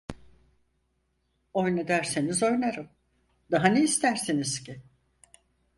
Oyna dersiniz oynarım… Daha ne istersiniz ki?